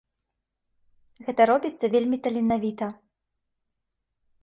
Гэта робіцца вельмі таленавіта.